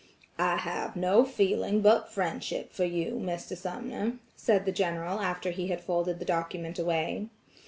"I have no feeling but friendship for you, Mr. Sumner," said the General after he had folded the document away.